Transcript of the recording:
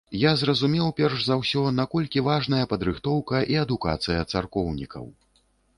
Я зразумеў перш за ўсё, наколькі важная падрыхтоўка і адукацыя царкоўнікаў.